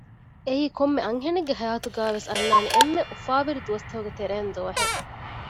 އެއީ ކޮންމެ އަންހެނެއްގެ ހަޔާތުގައިވެސް އަންނާނެ އެންމެ އުފާވެރި ދުވަސްތަކުގެ ތެރެއިން ދުވަހެއް